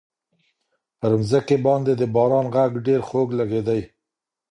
پر مځکي باندي د باران غږ ډېر خوږ لګېدی.